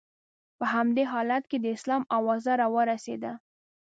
په همدې حالت کې د اسلام اوازه را ورسېده.